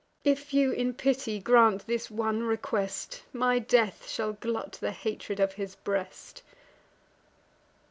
If you in pity grant this one request, My death shall glut the hatred of his breast."